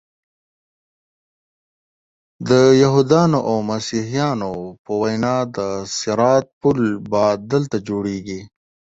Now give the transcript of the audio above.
د یهودانو او مسیحیانو په وینا د صراط پل به دلته جوړیږي.